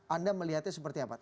anda melihatnya seperti apa